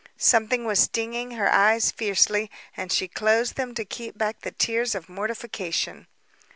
Something was stinging her eyes fiercely, and she closed them to keep back the tears of mortification.